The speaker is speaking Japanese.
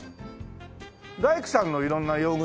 大工さんの色んな用具でしょ。